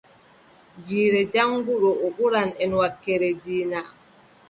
Jiire jaŋnguɗo, o ɗowan en wakkeere diina.